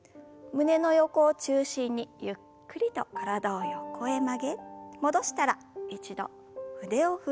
胸の横を中心にゆっくりと体を横へ曲げ戻したら一度腕を振る運動です。